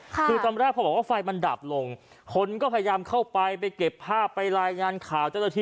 คือตอนแรกพอบอกว่าไฟมันดับลงคนก็พยายามเข้าไปไปเก็บภาพไปรายงานข่าวเจ้าหน้าที่